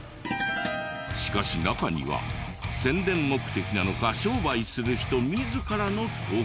しかし中には宣伝目的なのか商売する人自らの投稿も。